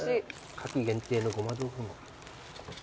夏季限定のごま豆腐も。